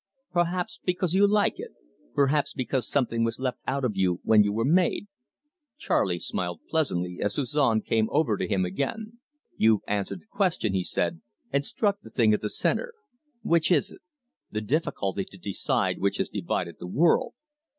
"Perhaps because you like it; perhaps because something was left out of you when you were made " Charley smiled pleasantly as Suzon came over to him again. "You've answered the question," he said, "and struck the thing at the centre. Which is it? The difficulty to decide which has divided the world.